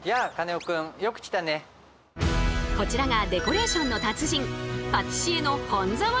こちらがデコレーションの達人